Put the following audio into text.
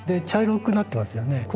茶色くなってますよね。